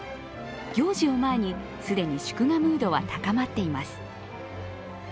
行事を前に、既に祝賀ムードは高まっています。